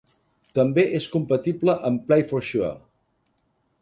També és compatible amb PlaysForSure.